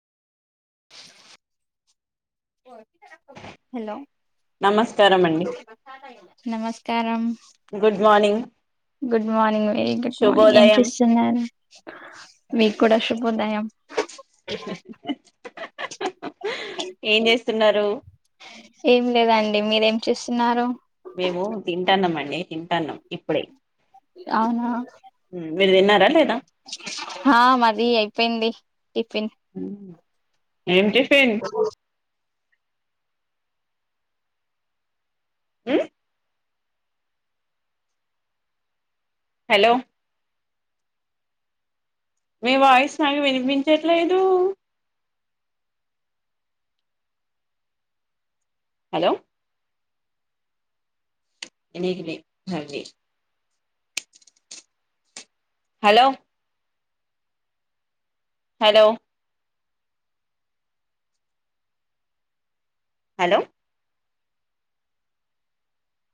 hello నమస్కారం అండి నమస్ కారం good morning good morning very good morning ఏం శుభోదయం చేస్తున్నారు మీకు కూడాు ఉదయం ఏం చేస్ ఆమ్ చెస్తున్నారు ఏం లేదండి మీరేం చేస్తున్నారు మేము తింటాన్నామండి తింటాన్నాం ఇప్పుడే అవునా మీరు తిన్నారా లేదా ఆ మాది అయిపోయింది టిఫిన్ ఏంటి హ్మ్మ్ హలో మీ వాయిస్ నాకు వినిపించట్లేదు హలో ఎనికినే పంది హలో హలో హలో